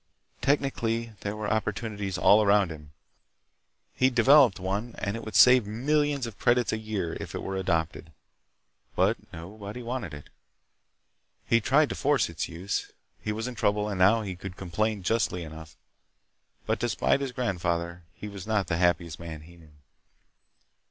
Technically there were opportunities all around him. He'd developed one, and it would save millions of credits a year if it were adopted. But nobody wanted it. He'd tried to force its use, he was in trouble, and now he could complain justly enough, but despite his grandfather he was not the happiest man he knew.